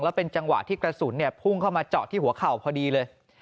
แล้วเป็นจังหวะที่กระสุนพุ่งเข้ามาเจาะที่หัวเข่าพอดีเลย